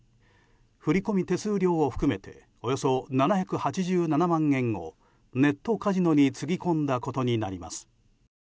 振込手数料を含めておよそ７８７万円をネットカジノにつぎ込んだことになります。